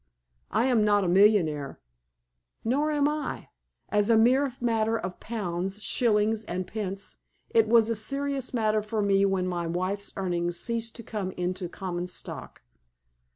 I am not a millionaire." "Nor am I. As a mere matter of pounds, shillings, and pence, it was a serious matter for me when my wife's earnings ceased to come into the common stock."